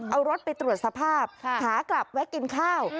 เอารถไปตรวจสภาพขากลับแวะกินข้าว